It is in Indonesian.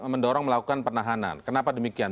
mendorong melakukan penahanan kenapa demikian